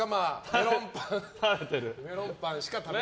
メロンパンしか食べない。